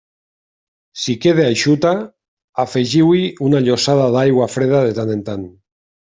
Si queda eixuta, afegiu-hi una llossada d'aigua freda de tant en tant.